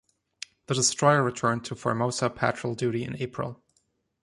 The destroyer returned to Formosa Patrol duty in April.